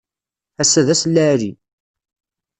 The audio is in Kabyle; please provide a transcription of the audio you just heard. Ass-a d ass lɛali.